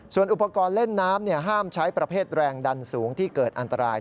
ส่วนอุปกรณ์เล่นน้ำห้ามใช้ประเภทแรงดันสูงที่เกิดอันตราย